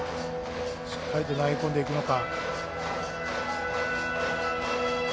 しっかりと投げ込んでいくのか。